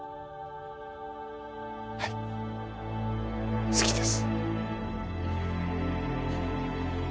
はい好きです